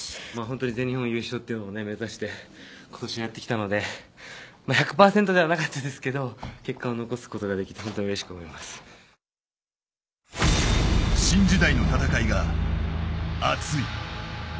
全日本優勝というのを目指して今年はやってきたので１００％ではなかったんですけど結果を残すことができて新時代の戦いが熱い。